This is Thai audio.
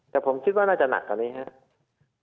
แต่ผมคิดว่าน่าจะหนักกว่านี้ครับ